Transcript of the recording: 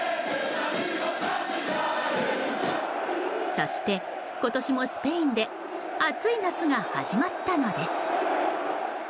そして、今年もスペインで暑い夏が始まったのです。